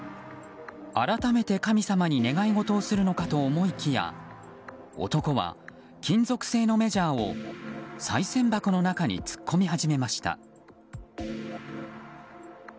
改めて神様に願い事をするのかと思いきや男は金属製のメジャーをさい銭箱の中に突っ込み始めました。